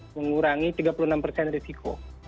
mengurangi tiga puluh enam persen risiko